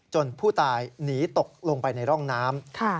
ผู้ตายหนีตกลงไปในร่องน้ำ